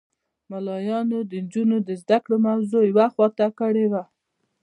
ملایانو د نجونو د زده کړو موضوع یوه خوا ته کړې وه.